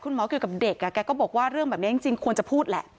หมอเกี่ยวกับเด็กแกก็บอกว่าเรื่องแบบนี้จริงควรจะพูดแหละ